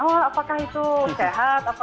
oh apakah itu sehat